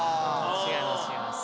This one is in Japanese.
違います。